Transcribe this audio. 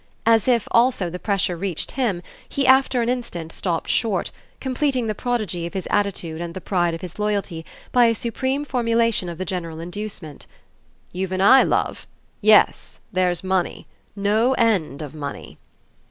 As if also the pressure reached him he after an instant stopped short, completing the prodigy of his attitude and the pride of his loyalty by a supreme formulation of the general inducement. "You've an eye, love! Yes, there's money. No end of money."